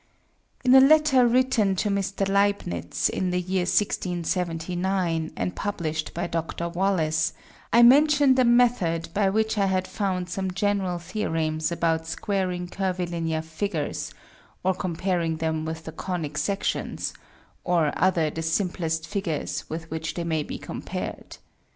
_ In a Letter written to Mr. Leibnitz in the year 1679, and published by Dr. Wallis, _I mention'd a Method by which I had found some general Theorems about squaring Curvilinear Figures, or comparing them with the Conic Sections, or other the simplest Figures with which they may be compared.